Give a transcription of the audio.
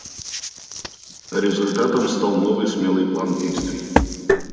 Результатом стал новый смелый план действий.